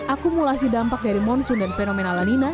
akumulasi dampak dari monsoon dan fenomena lanina